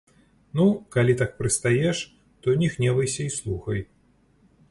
Ну, калі так прыстаеш, то не гневайся і слухай.